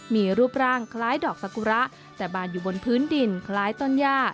มีรูปร่างคล้ายดอกสกุระแต่บานอยู่บนพื้นดินคล้ายต้นย่า